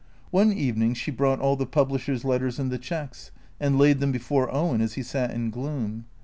One evening she brought all the publishers' letters and the cheques, and laid them before Owen as he sat in gloom.